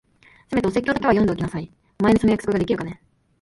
せめてお説教だけは読んでおきなさい。お前にその約束ができるかね？